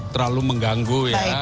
terlalu mengganggu ya